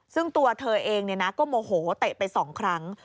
ซึ่งตัวเธอเองก็โมโหเตะไป๒ครั้ง